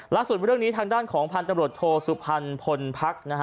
ล่าส่วนเรื่องนี้ทางด้านของพันธ์ตำรวจโทสุพันธ์พลพักษ์นะฮะ